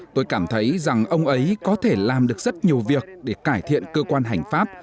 tôi cảm thấy rằng ông ấy có thể làm được rất nhiều việc để cải thiện cơ quan hành pháp